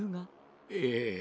ええ。